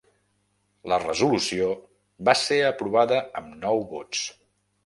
La resolució va ser aprovada amb nou vots.